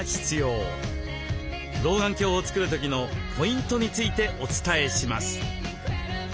老眼鏡を作る時のポイントについてお伝えします。